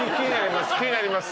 気になります。